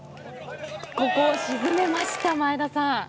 ここを沈めました前田さん。